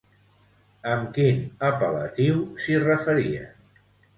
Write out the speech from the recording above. Amb quin apel·latiu s'hi referien?